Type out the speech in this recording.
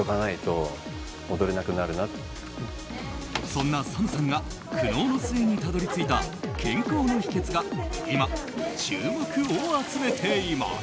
そんなＳＡＭさんが苦悩の末にたどり着いた健康の秘訣が今、注目を集めています。